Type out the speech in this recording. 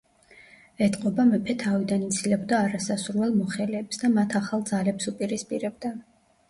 ეტყობა, მეფე თავიდან იცილებდა არასასურველ მოხელეებს და მათ ახალ ძალებს უპირისპირებდა.